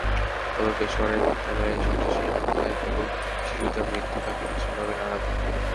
তবে পেশোয়ারের বিদ্যালয়ে সন্ত্রাসী হামলায় কোমল শিশুদের মৃত্যু তাঁকে ভীষণভাবে নাড়া দেয়।